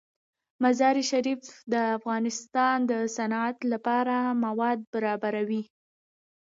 مزارشریف د افغانستان د صنعت لپاره مواد برابروي.